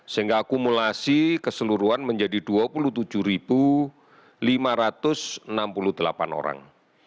sehingga akumulasi keseluruhan menjadi dua puluh tujuh lima ratus enam puluh delapan orang